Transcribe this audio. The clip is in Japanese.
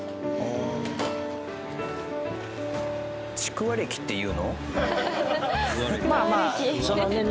「ちくわ歴」って言うの？